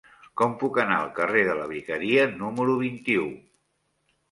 Com puc anar al carrer de la Vicaria número vint-i-u?